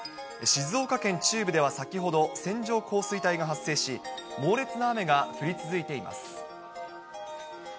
静岡県中部では先ほど、線状降水帯が発生し、猛烈な雨が降り続いています。